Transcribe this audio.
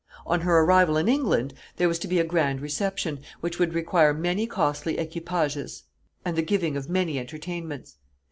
On her arrival in England there was to be a grand reception, which would require many costly equipages, and the giving of many entertainments.